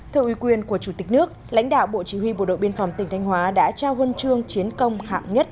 theo ủy quyền của chủ tịch nước lãnh đạo bộ chỉ huy bộ đội biên phòng tỉnh thanh hóa đã trao huân trường chiến công hạng nhất